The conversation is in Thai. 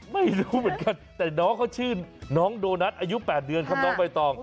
ไม่รู้เหมือนกันแต่น้องเขาชื่อน้องโดนัทอายุ๘เดือนครับน้องใบตอง